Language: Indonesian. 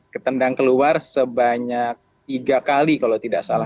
ketendang keluar sebanyak tiga kali kalau tidak salah